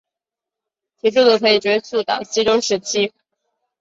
其制度可以追溯至西周时期。